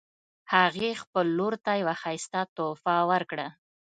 هغې خپل لور ته یوه ښایسته تحفه ورکړه